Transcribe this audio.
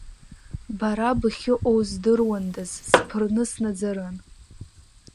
Бара быхьыҟоу здыруандаз, сԥырны снаӡарын!